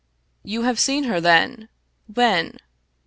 " You have seen her, then ? When